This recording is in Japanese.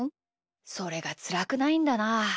それがつらくないんだな。